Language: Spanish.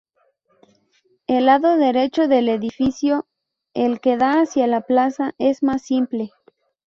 El lado derecho del edificio, el que da hacia la plaza, es más simple.